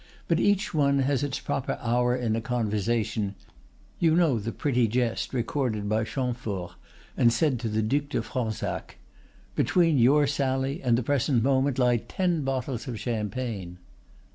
But each one has its proper hour in a conversation—you know the pretty jest recorded by Chamfort, and said to the Duc de Fronsac: 'Between your sally and the present moment lie ten bottles of champagne.